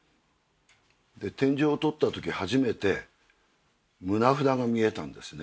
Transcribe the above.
で天井を取った時初めて棟札が見えたんですね。